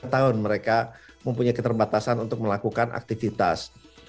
tentang mereka mempunyai keterbatasan untuk melakukan aktivitas